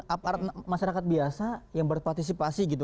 aparat masyarakat biasa yang berpartisipasi gitu